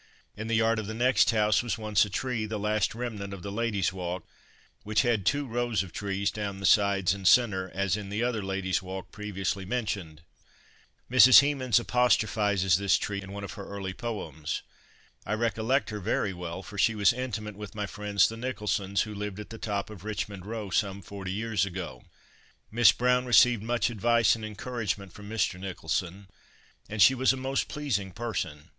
In the yard of the next house was once a tree, the last remnant of the Ladies Walk, which had two rows of trees down the sides and centre as in the other Ladies Walk previously mentioned. Mrs. Hemans apostrophizes this tree in one of her early poems. I recollect her very well, for she was intimate with my friends, the Nicholsons, who lived at the top of Richmond row some forty years ago. Miss Browne received much advice and encouragement from Mr. Nicholson, and she was a most pleasing person.